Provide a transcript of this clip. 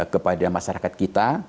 kepada masyarakat kita